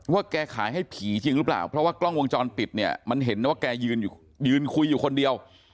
แกขายให้ผีจริงหรือเปล่าเพราะว่ากล้องวงจรปิดเนี่ยมันเห็นนะว่าแกยืนคุยอยู่คนเดียว